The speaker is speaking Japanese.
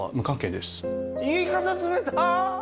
言い方冷たぁ。